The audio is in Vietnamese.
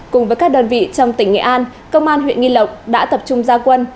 cùng với các đơn vị trong tỉnh nghệ an công an huyện nghi lộc đã tập trung gia quân